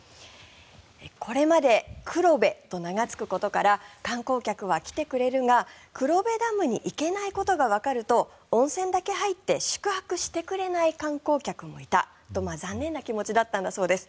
これまで黒部と名がつくことから観光客が来てくれるが黒部ダムに行けないことがわかると温泉だけ入って宿泊してくれない観光客もいたと残念な気持ちだったんだそうです。